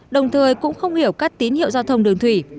đồng thời cũng không hiểu các tín hiệu giao thông đường thủy